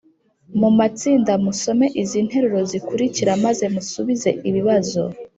mu matsinda musome izi nteruro zikurikira maze musubize ibibazo: